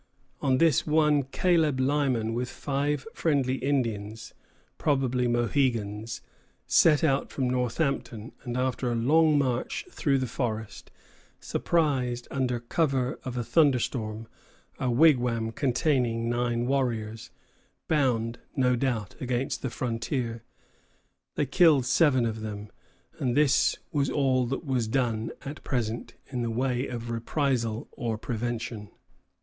On this, one Caleb Lyman with five friendly Indians, probably Mohegans, set out from Northampton, and after a long march through the forest, surprised, under cover of a thunderstorm, a wigwam containing nine warriors, bound, no doubt, against the frontier. They killed seven of them; and this was all that was done at present in the way of reprisal or prevention.